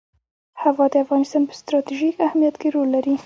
هوا د افغانستان په ستراتیژیک اهمیت کې رول لري.